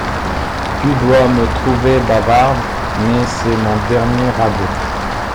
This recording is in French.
Tu dois me trouver bavarde, mais c’est mon dernier ragôt.